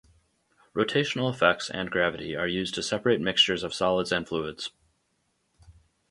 Rotational effects and gravity are used to separate mixtures of solids and fluids.